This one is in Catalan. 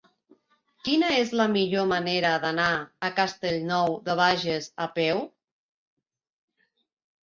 Quina és la millor manera d'anar a Castellnou de Bages a peu?